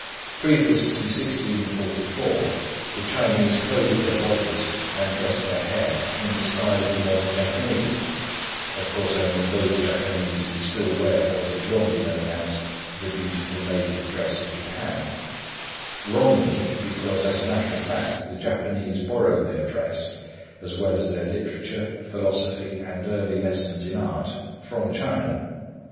Previous to 1644 the Chinese clothed their bodies and dressed their hair in the style of the modern Japanese,—of course I mean those Japanese who still wear what is wrongly known as "the beautiful native dress of Japan,"—wrongly, because as a matter of fact the Japanese borrowed their dress, as well as their literature, philosophy, and early lessons in art, from China.